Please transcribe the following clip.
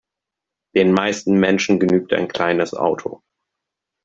Den meisten Menschen genügt ein kleines Auto.